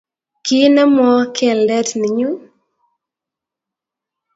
Kinemwo keldet ni nyuu?